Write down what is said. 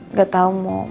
nggak tahu mau